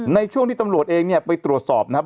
ในช่วงที่ตำรวจเองเนี่ยไปตรวจสอบนะครับ